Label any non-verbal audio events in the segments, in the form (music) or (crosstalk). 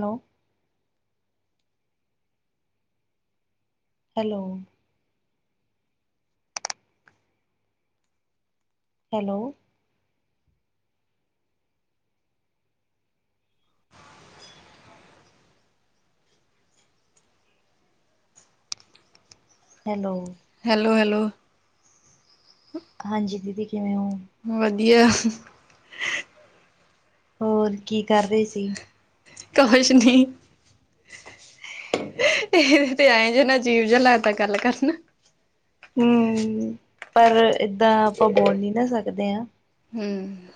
Hello. Hello. Hello. Hello. Hello, hello. ਹਾਂਜੀ ਦੀਦੀ ਕਿਵੇਂ ਹੋ? ਵਧੀਆ। ਹੋਰ ਕੀ ਕਰ ਰਹੇ ਸੀ? ਕੁਛ ਨਹੀਂ। ਇਹਦੇ ਤੇ ਆਏ ਜੇ ਨਾ ਅਜੀਵ ਜਿਹਾ ਲੱਗਦਾ ਗੱਲ ਕਰਨਾ। ਹੁੰ, ਪਰ ਏਦਾਂ ਆਪਾਂ ਬੋਲ ਨੀ ਨਾ ਸਕਦੇ ਆ। ਹੁੰ।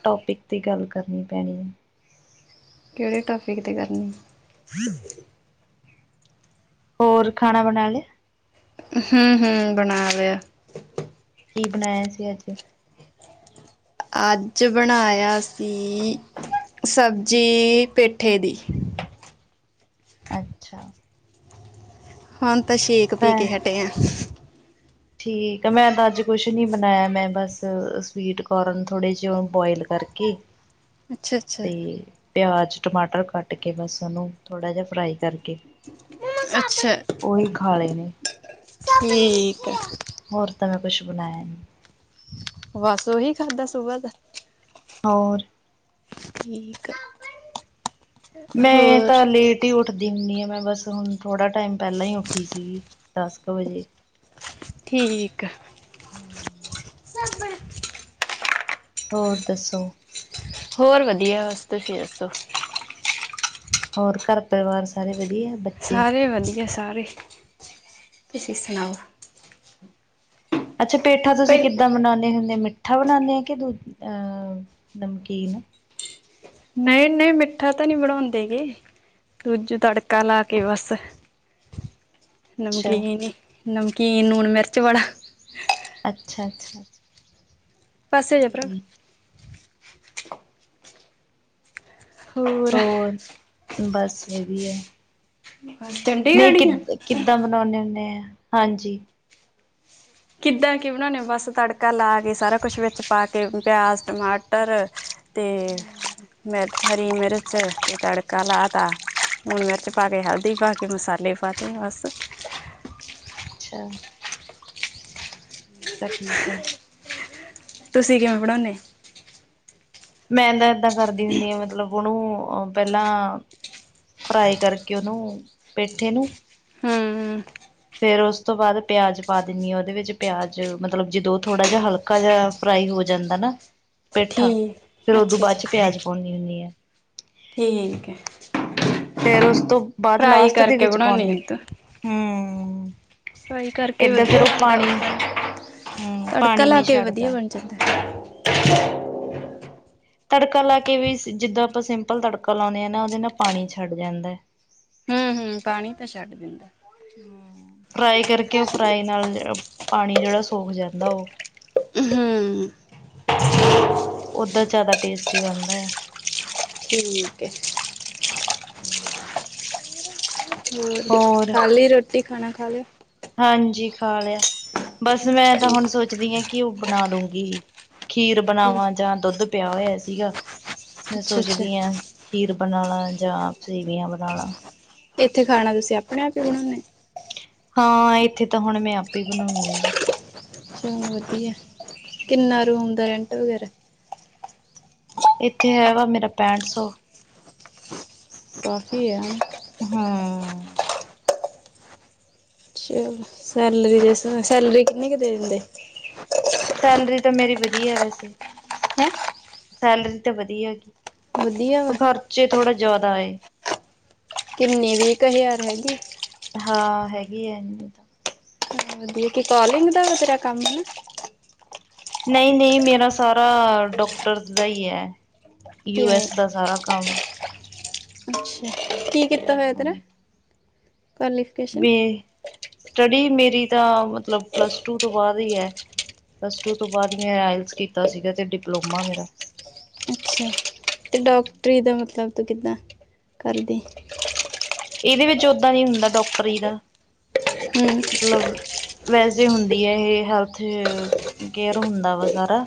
ਟੋਪਿਕ ਤੇ ਗੱਲ ਕਰਨੀ ਪੈਣੀ ਐ। ਕਿਹੜੇ ਟਾਪਿਕ ਤੇ ਕਰਨੀ ਹੋਰ ਖਾਣਾ ਬਣਾ ਲਿਆ। ਹੂੰ, ਹੂੰ ਬਣਾ ਲਆ। ਕੀ ਬਣਾਇਆ ਸੀ ਅੱਜ? ਅੱਜ ਬਣਾਇਆ ਸੀ ਸਬਜ਼ੀ ਪੇਠੇ ਦੀ। ਅੱਛਾ। ਹੁਣ ਤਾਂ ਸੇਕ ਪੀ ਕੇ ਮੈਂ ਹਟੇ ਆਂ। ਠੀਕ ਆ, ਮੈਂ ਤਾਂ ਅੱਜ ਕੁਛ ਨੀ ਬਣਾਇਆ, ਮੈਂ ਬਸ ਸਵੀਟ ਕੋਰਨ ਥੋੜ੍ਹੇ ਜਿਹੇ ਔ ਬੋਆਇਲ ਕਰਕੇ ਹ ਅੱਛਾ ਅੱਛਾ ਤੇ ਪਿਆਜ, ਟਮਾਟਰ ਕੱਟ ਕੇ ਬਸ ਉਹਨੂੰ ਥੋੜ੍ਹਾ ਜਿਹਾ ਫਰਾਈ ਕਰ ਅੱਛਾ, ਖਾ ਲਏ ਨੇ ਠੀਕ ਐ। ਹੋਰ ਤਾਂ ਮੈਂ ਕੁਛ ਬਣਾਇਆ ਨੀ। ਬਸ ਉਹੀ ਖਾਧਾ ਸੁਬਾ ਦਾ? ਹੋਰ। ਠੀਕ ਆ। ਮੈਂ ਹੋਰ ਤਾਂ ਲੇਟ ਟੀ ਹੀ ਉੱਠਦੀ ਹੁੰਦੀ ਹਾਂ ਮੈਂ ਬਸ ਹੁਣ ਥੋੜਾ ਟਾਈਮ ਪਹਿਲਾਂ ਹੀ ਉੱਠੀ ਸੀ ਦਸ ਕੁ ਵਜੇ। ਠੀਕ। ਸਾਬਣ ਹੋਰ ਦੱਸੋ? ਹੋਰ ਵਧੀਆ, ਬਸ ਤੂਸੀ ਦੱਸੋ? ਹੋਰ ਕਾਰ ਪਰਿਵਾਰ ਸਾਰੇ ਵਧੀਆ, ਬਚ ਸਾਰੇ ਵਧੀਆ, ਸਾਰੇ, ਤੁਸੀਂ ਸੁਣਾਓ? ਅੱਛਾ ਪੇਠਾ ਤੁਸੀਂ ਪਹਿ ਕਿੱਦਾਂ ਬਣਾਉਣੇ ਹੁੰਦੇ, ਮਿੱਠਾ ਬਣਾਉਂਣੇ ਆ ਕਿ ਦੂ ਅਹ ਨਮਕੀਨ। ਨਈ, ਨਈ ਮਿੱਠਾ ਤਾਂ ਨੀ ਬਣੋਂਦੇ ਹੈਗੇ ਕੂਜ ਤੜਕਾ ਲਾ ਕੇ ਬਾੱਸ (inaudible) ਨਮਕੀਨ ਈ, ਨਮਕੀਨ ਨੂੰਨ-ਮਿਰਚ ਵਾਲਾ ਅੱਛਾ, ਅੱਛਾ, ਅੱਛਾ। (inaudible) ਠੀਕ ਹੋਰ, ਬਾੱਸ ਵਦੀਆ। (inaudible) ਨਈ, ਕਿ ਕਿੱਦਾ ਬਨੋਨੇ ਓਨੇ ਆ ਹਾਂਜੀ। ਕਿੱਦਾਂ ਕੀ ਬਣੋਨੇ ਓ? ਬਾੱਸ ਤੜਕਾ ਲਾ ਕੇ ਸਾਰਾ ਕੋਛ ਵਿੱਚ ਪਾ ਕੇ ਪਿਆਜ਼, ਟਮਾਟਰ ਤੇ ਹਮ ਮਿਰਚ, ਹਰੀ -ਮਿਰਚ ਤੜਕਾ ਲਾ ਤਾ ਨੂਨ ਮਿਰਚ ਪਾ ਕੇ, ਹਲਦੀ ਪਾ ਕੇ, ਮਸਾਲੇ ਪਾਤੇ ਬਾੱਸ। ਅੱਛਾ। ਕ, ਠੀਕ ਆ। ਤੁਸੀ ਕਿਵੇਂ ਬਣੋਨੇ? ਮੈਂ ਤਾ ਏਦਾਂ ਕਰਦੀ ਹੁੰਨੀ ਆ, ਮਤਲਬ ਓਨੂੰ ਪੈਲਾਂ ਫਰਾਈ ਕਰਕੇ ਓਨੂ, ਪੇਠੇ ਨੂ ਹੂੰ ਫੇਰ ਓਸ ਤੋ ਬਾਦ ਪਿਆਜ ਪਾ ਦੇਨੀ ਆ ਓਦੇ ਵਿੱਚ ਪਿਆਜ, ਮਤਲਬ ਜਿਦੋ ਥੋੜ੍ਹਾ ਜਾ ਹਲਕਾ ਜਾ ਫਰਾਈ ਹੋ ਜਾਂਦਾ ਨਾ, ਪੇਠਾ ਠੀਕ ਫੇਰ ਉਦੋ ਅੱਛਾ ਬਾਦ ਅੱਛਾ ਚ ਪਿਆਜ ਪੋਨੀਂ ਹੁੰਨੀ ਆ। ਠੀਕ ਏ। ਫੇਰ ਓਸ ਤੋ ਬਾੱਦ ਲਾਸਟ ਦੇ ਵਿੱਚ ਪੋਂਨੀ ਏ, ਆ ਤੂੰ ਹੂੰ। ਫਰਾਈ ਕਰਕੇ ਵਦਿਆ ਹਮ (unintelligible) ਤੜਕਾ ਪਾਣੀ ਲਾ ਨੀ ਕੇ ਵੀ ਵਦਿਆ ਛੱਡਦਾ ਬਨ ਚ (unintelligible) ਤੜਕਾ ਲਾ ਕੇ ਵੀ ਸਿ ਜਿਦਾ ਅਪਾ ਸਿੰਪਲ ਤੜਕਾ ਲਾਓਨੇ ਆ ਨਾ ਓਦੇ ਨਾਲ ਪਾਣੀ ਛੱਡ ਜਾਦਾ ਏ। ਹੂੰ, ਹੂੰ ਪਾਣੀ ਤਾਂ ਛੱਡ ਦਿੰਦਾ ਏ। ਹੂੰ, ਫਰਾਈ ਕਰਕੇ ਓ ਫਰਾਈ ਨਾਲ ਪਾਣੀ ਜੇੜਾ ਸੋਕ ਜਾਂਦਾ ਔ। ਹੂੰ। ਓਦਾ ਜਾਦਾ ਟੇਸਟੀ ਬਨਦਾ ਏ। ਠੀਕ ਏ। ਹੂੰ, ਹੋਰ ਖਾਲੀ ਰੋਟੀ ਖਾਨਾ ਖਾ ਲੇਆ? ਹਾਂਜੀ ਖਾ ਲੇਆ ਬਾੱਸ ਮੈਂ ਤਾ ਹੁਣ ਠੀਕ ਸੋਚਦੀ ਆ ਕਿ ਓ ਬਣਾ ਲੂੰਗੀ ਖੀਰ ਕੀ ਬਣਾਵਾਂ ਜਾਂ ਦੋਧ ਪੇਆ ਓਯਾ ਸੀਗਾ, ਮੈਂ ਅੱਛਾ ਅੱਛਾ ਸੋਚਦੀ ਹਾਂ ਖੀਰ ਬਨਾ ਲਾ ਜਾਂ, ਸੇਵੀਆਂ ਬਣਾਲਾ। ਇੱਥੇ ਖਾਣਾ ਤੁਸੀ ਅਪਣੇ ਆਪ ਈ ਬਣੌਨੇ? ਹਾਂ ਇੱਥੇ ਤਾਂ ਹੁਣ ਮੈਂ ਆਪੈ ਈ ਬਣੋੰਨੀ ਆ। ਅੱਛਾ ਵਦਿਆ, ਕਿਨਾ ਰੂਮ ਦਾ ਰੈਂਟ ਵਗੈਰਾ? ਇੱਥੇ ਹੈ ਵਾ ਮੇਰਾ ਪੈਂਠ ਸੌ। ਕਾਫੀ ਆ। ਹਾਂ। ਅੱਛਾ, ਸੈਲਰੀ (unintelligible) ਸੈਲਰੀ ਕਿੰਨੀ ਕੁ ਦੇ ਦਿੰਦੇ? (unintelligible) ਸੈਲਰੀ ਤਾ ਮੇਰੀ ਵਦਿਆ ਵੈਸੇ। ਹੈਂ? ਸੈਲਰੀ ਤਾ ਵਦਿਆ ਐਗੀ, ਵਧੀਆ ਵਾ ਪਰ ਖਰਚੇ ਥੋੜੇ ਜਾਦਾ ਏ। ਕੀਨੀ, ਵੀੱਕ ਹਜ਼ਾਰ ਹੈਗੀ? ਹਾਂ, ਹੈਗੀ ਐ। (unintelligible) ਕੀ ਕੋਲਿੰਗ ਦਾ ਵਾ ਤੇਰਾ ਕਾੱਮ ਹੈਂ? ਨਈ, ਨਈ ਮੇਰਾ ਸਾਰਾ ਡੋਕਟੱਰਸ ਦਾ ਈ ਐ। ਯੂ ਕਿਵੇਂ ਐਸ ਦਾ ਸਾਰਾ ਕਾੱਮ। (unintelligible) ਅੱਛਾ ਕੀ ਕੀਤਾ ਫੇਰ ਐਦਰ, ਪੈਲੇ? ਵੀ, ਸਟੱਡੀ ਮੇਰੀ ਤਾਂ ਮਤਲਬ ਪਲਸ ਟੂ ਤੋ ਬਾਦ ਈ ਐ। ਪਲੱਸ-ਟੂ ਤੋਂ ਬਾਅਦ ਮੈਂ ਆਇਟ੍ਸ ਕੀਤਾ ਸੀਗਾ, ਤੇ ਡਿਪਲੋਮਾ ਮੇਰਾ। ਅੱਛਾ, ਤੇ ਡੌਕਟਰੀ ਦਾ ਮਤਲਬ ਤੁ ਕਿੱਦਾਂ, ਕਰਦੀ? ਇਹਦੇ ਵਿੱਚ ਓਹਦਾਂ ਨੀ ਹੁੰਦਾ ਡੌਕਟਰੀ ਦਾ, ਹੂੰ ਮਤਲਬ ਵੈਸੇ ਹੁੰਦੀ ਆ ਇਹ ਹੈਲਥ, ਕੇਅਰ ਹੁੰਦਾ ਵਾ ਸਾਰਾ।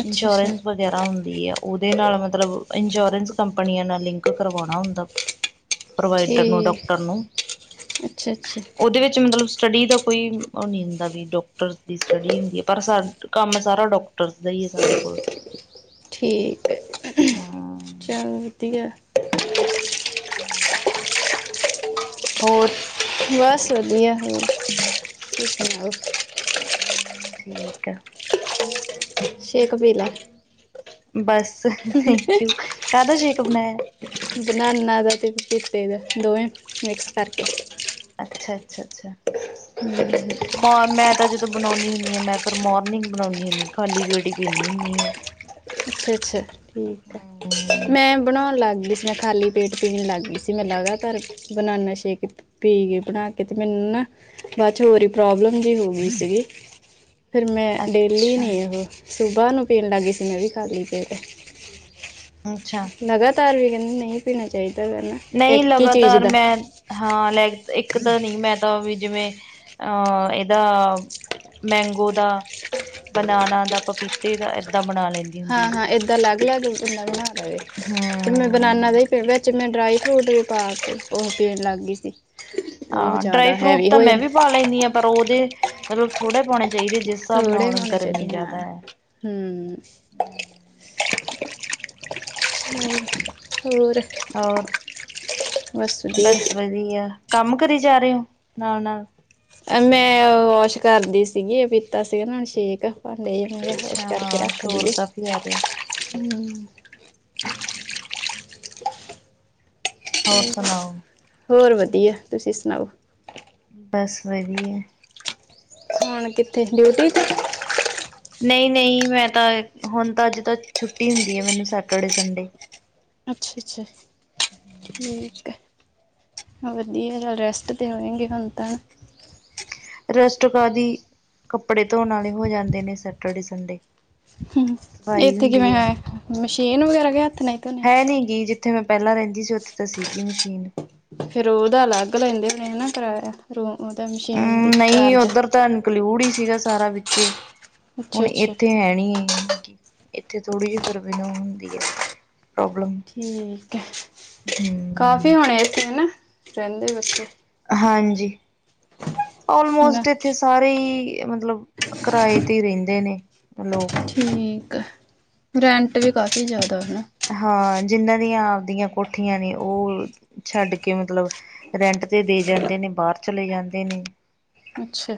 ਅੱਛਾ ਅੱਛਾ ਇੰਸ਼ੋਰੈਂਸ ਬ ਵਗੈਰਾ ਹੁੰਦੀ ਆ, ਉਹਦੇ ਨਾਲ ਮਤਲਬ ਇੰਸ਼ੋਰੈਂਸ ਕੰਪਨੀਆਂ ਨਾਲ ਲਿੰਕ ਕਰਵਾਉਣਾ ਹੁੰਦਾ। ਤੇ ਪ੍ਰੋਵਾਈਟਰ ਨੂੰ, ਠੀਕ ਡੌਕਟਰ ਨੂੰ। ਅੱਛਾ ਅੱਛਾ ਉਹਦੇ ਵਿੱਚ ਮਤਲਬ ਸਟੱਡੀ ਦਾ ਕੋਈ ਅ ਓਹ ਨਹੀਂ ਹੁੰਦਾ ਵੀ, ਡੋਕਟਰਸ ਦੀ ਸਟੱਡੀ ਹੁੰਦੀ ਆ, ਪਰ ਸਾਡ, ਕੰਮ ਸਾਰਾ ਡੋਕਟ ਡੌਕਟਰਸ ਦਾ ਹੀ ਆ, ਸਾਡੇ ਕੋਲ। ਠੀਕ ਏ, ਹਮ ਚਲ ਵਧੀਆ। ਹੂੰ (inaudible) ਹੋਰ? ਬਸ ਵਧੀਆ ਹੈ, ਤੁਸੀ ਸੁਣਾਓ? ਹਾਂ, ਠੀਕ ਆ। ਸ਼ੇਕ ਪੀਲਾ। ਬਸ, ਥੈਂਕ-ਯੂ, ਕਾਹਦਾ ਸ਼ੇਕ ਬਣਾਇਆ? ਬਨਾਨਾ ਦਾ ਤੇ ਪਪੀਤੇ ਦਾ, ਦੋਵੇਂ ਮਿਕਸ ਕਰਕੇ। ਅੱਛਾ, ਅੱਛਾ, ਅੱਛਾ। ਹ (inaudible) ਮੋ 'ਮੈਂ' ਤਾਂ ਜਦੋਂ ਬਣਾਉਨੀ ਹੁੰਨੀ ਆਂ, ਮੈਂ ਪਰ ਮੌਰਨਿੰਗ ਬਣਾਉਂਨੀ ਹੁੰਨੀ ਆ ਖਾਲੀ ਪੇਟ ਹੀ ਪੀਂਨੀ ਹੁੰਨੀ ਆ। ਅੱਛਾ-ਅੱਛਾ, ਠੀਕ ਆ, ਹਮ ਮੈਂ ਬਣਾਉਣ ਲੱਗ ਗਈ ਸ 'ਮੈਂ'ਖਾਲੀ ਪੇਟ ਪੀਣ ਲੱਗ ਗਈ ਸੀ, ਮੈਂ ਲਗਾਤਾਰ ਬਨਾਨਾ ਸ਼ੇਕ ਪੀਗਈ ਬਣਾਕੇ, ਤੇ ਮੈਨੂੰ ਨਾ ਬਾਅ'ਚੋ ਵਰੀ ਪ੍ਰੌਬਲਮ ਵੀ ਹੋ ਗਈ ਸੀ। ਫਿਰ ਮੈਂ ਡੇਲੀ ਅੱਛਾ ਨੀ ਉਹ, ਸੁਬਾਹ ਨੂੰ ਪੀਣ ਲੱਗ ਗਈ ਸੀ, ਮੈਂ, ਵੀ। ਖਾਲੀ ਪੇਟ, ਅੱਛਾ ਲਗਾਤਾਰ ਵੀ ਕਹਿੰਦੇ ਨਹੀਂ ਪੀਣਾ ਚਾਹੀਦਾ ਵਾ ਨਾ? ਨਹੀਂ, ਇੱਕ ਹੀ ਚੀਜ਼ ਲਗਾਤਾਰ ਦਾ ਮੈਂ ਹਾਂ, ਲੈ, ਇੱਕ ਤਾਂ ਨੀ ਮੈਂ, ਤਾਂਵੀ, ਜਿਵੇਂ, ਅਹ ਇਹਦਾ ਮੈਂਗੋ ਦਾ, ਬਨਾਨਾ ਦਾ, ਪਪੀਤੇ ਦਾ ਇ ਤਾ ਬਣਾਲੇ। ਹਾਂ-ਹਾਂ, ਏਦਾਂ ਅਲੱਗ-ਅਲੱਗ ਬੰਦਾ ਬਣਾਲਵੇ। ਹੂੰ‌। ਬਨਾਨਾ ਦੇ ਹੀ ਵਿੱਚ ਮੈਂ ਡ੍ਰਾਈ-ਫਰੂਟ ਵੀ ਪਾਕੇ, ਉਹ ਪੀਣ ਲੱਗ ਗਈ ਸੀ। ਤੇ ਉਹ ਹਾਂ, ਡ੍ਰਾਈ ਜ਼ਿਆਦਾ ਫਰੂਟ ਹੈਵੀ ਤਾਂ ਹੋ ''ਮੈਂ ਜਾਂਦਾ ਵੀ ਪਾ ਲ ਲੈਨੀ ਆਂ, ਪਰ ਉਹਦੇ ਮਤਲਬ ਥੋੜੇ ਪਾਉਣੇ ਚਾਹੀਦੇ, ਜਿਸ ਹਿਸਾਬ ਨਾਲ ਗਰਮੀ ਜਿਆਦਾ ਹੈ। ਹੂੰ। ਹੋਰ, ਹੋਰ? ਹਾਂ ਹ (inaudible) ਬਸ ਵਧੀਆ। ਕੰਮ ਕਰੀ ਜਾ ਰਹੇ ਹੋ, ਨਾਲ-ਨਾਲ? ''ਮੈਂ ਓ ਵੌਸ਼ ਕਰਦੀ ਸੀਗੀ, ਪੀਤਾ ਸੀ ਨਾ ਸ਼ੇਕ। ਭਾਂਡੇ ਜ ਮੈਂ ਕਿਆ, ਚੱਕਕੇ ਕਰਕੇ ਰੱਖਦੀ ਏ। (unintelligible) ਕੀ ਆ ਰਿਹਾ? ਹੂੰ ਹੋਰ ਸੁਣਾਓ? ਹੋਰ ਵਧੀਆ, ਤੁਸੀਂ ਸੁਣਾਓ? ਬਸ ਵਧੀਆ। ਹੁਣ ਕਿੱਥੇ, ਡਿਊਟੀ ਤੇ? ਨਹੀਂ-ਨਹੀਂ, ਮੈਂ ਤਾਂ ਹੁਣ ਤਾਂ, ਅੱਜ ਤਾਂ ਛੁੱਟੀ ਹੁੰਦੀ ਆ, ਮੈਨੂੰ ਸੈਟਰਡੇ, ਸੰਡੇ। ਅੱਛਾ-ਅੱਛਾ, ਠੀਕ ਹੈ। ਵਧੀਆ, ਰੈਸਟ ਤੇ ਹੋਈਂਗੀ, ਹੁਣ ਤਾਂ। ਰੈਸਟ ਕਾਦੀ, ਕੱਪੜੇ ਧੋਣ ਵਾਲੇ ਹੋ ਜਾਂਦੇ ਨੇ ਸੈਟਰਡੇ ਸੰਡੇ। ਹਮ ਸਫਾਈ ਇੱਥੇ ਕਿਵੇਂ ਹੁੰਦੀ ਹੈ ਮਸ਼ੀਨ ਵਗੈਰਾ ਕੇ ਹੱਥ ਨਾਹੀਂ ਧੋਨੇ ਹੈ ਆ? ਨੀ ਗੀ ਜਿੱਥੇ ਮੈਂ ਪਹਿਲਾਂ ਰਹਿੰਦੀ ਸੀ, ਉੱਥੇ ਤਾਂ ਸੀਗੀ ਮਸ਼ੀਨ ਫਿਰ ਉਹਦਾ ਅਲੱਗ ਲੈਂਦੇ ਨੇ ਨਾ ਕਰਾਇਆ ਰੂਮ ਉਹਦਾ ਮਸ਼ੀਨ ਅਮ ਦੀ ਨਹੀਂ ਚਾਰਜ। ਉੱਧਰ ਤਾਂ ਇਨਕਲੂਡ ਹੀ ਸੀ ਸਾਰਾ ਵਿਚੇ ਅੱਛਾ ਹੁਣ ਅੱਛਾ ਇੱਥੇ ਹੈ ਨੀ। ਇੱਥੇ ਥੋੜੀ ਜਿਹੀ ਫਿਰ ਬਿਲੋਂ ਹੁੰਦੀ ਹੈਂ। ਠੀਕ ਹੈ ਕਾਫੀ ਹਮ ਹੋਣੇ ਇੱਥੇ ਨਾ ਰਹਿੰਦੇ ਬੱਚੇ। ਹਾਂਜੀ, ਨਾ ਆਲਮੋਸਟ ਇਥੇ ਸਾਰੇ ਹੀ ਮਤਲਬ ਕਿਰਾਏ ਤੇ ਰਹਿੰਦੇ ਨੇ ਲੋਕ ਠੀਕ ਆ ਰੈਂਟ ਵੀ ਦੇ ਕਾਫੀ ਜ਼ਿਆਦਾ ਹੈ ਨਾ। ਹਾਂ ਜਿੰਹਨਾਂ ਦੀਆਂ ਆਪਦੀਆਂ ਕੋਠੀਆਂ ਨੇ, ਉਹ ਛੱਡ ਕੇ ਮਤਲਬ ਰੈਂਟ ਤੇ ਦੇ ਜਾਂਦੇ ਨੇ, ਬਾਹਰ ਚਲੇ ਜਾਂਦੇ ਨੇ। ਅੱਛਾ।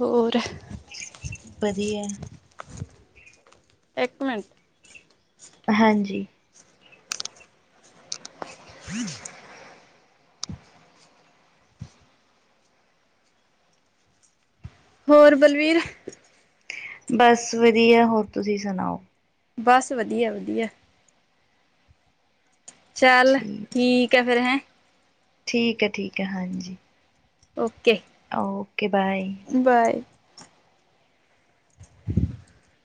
ਹੋਰ। ਵਧੀਆ। ਇੱਕ ਮਿੰਟ। ਹਾਂਜੀ। ਫਜ (inaudible) ਹੋਰ ਬਲਵੀਰ। ਬਸ ਵਧੀਆ, ਹੋਰ ਤੁਸੀਂ ਸੁਣਾਓ? ਬਸ, ਵਧੀਆ ਵਧੀਆ। ਚੱਲ ਠੀਕ ਹੈ ਫ਼ਿਰ ਹੈਂ। ਠੀਕ ਹੈ ਠੀਕ ਹੈ, ਹਾਂਜੀ। Okay okay bye. ਬਾਏ। (inaudible)